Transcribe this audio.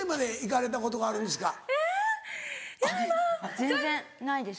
全然ないです。